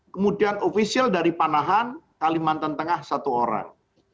kemudian ofisial dari panahan kalimantan tengah satu orang